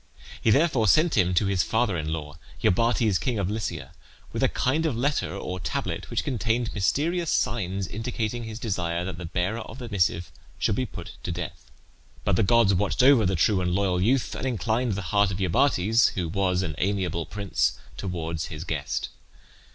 He therefore sent him to his father in law, Iobates, king of Lycia, with a kind of letter or tablet which contained mysterious signs, indicating his desire that the bearer of the missive should be put to death. But the gods watched over the true and loyal youth, and inclined the heart of Iobates, who was an amiable prince, towards his guest.